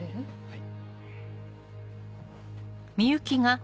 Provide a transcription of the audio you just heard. はい。